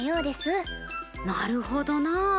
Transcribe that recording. なるほどなあ。